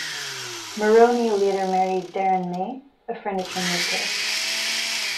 Maroney later married Darren May, a furniture maker.